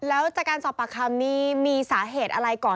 แล้วจากการสอบปากคำนี้มีสาเหตุอะไรก่อน